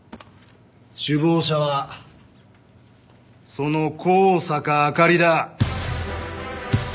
首謀者はその香坂朱里だ。